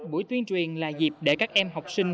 buổi tuyên truyền là dịp để các em học sinh